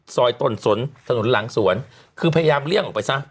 ตนสนถนนหลังสวนคือพยายามเลี่ยงออกไปซะ